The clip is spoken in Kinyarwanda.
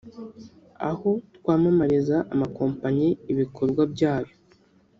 aho twamamariza amakompanyi ibikorwa byayo